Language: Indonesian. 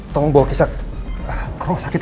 tolong bawa kisah ke rumah sakit